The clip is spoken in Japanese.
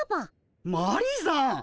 マリーさん！